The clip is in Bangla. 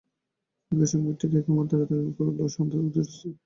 একই সঙ্গে ঠিক একই মাত্রায় তাকে করল অশান্ত, অধীর, অস্থির।